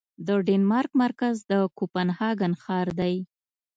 د ډنمارک مرکز د کوپنهاګن ښار دی